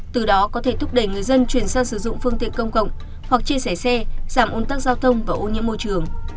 từ đó có thể thúc đẩy người dân chuyển sang sử dụng phương tiện công cộng hoặc chia sẻ xe giảm ôn tắc giao thông và ô nhiễm môi trường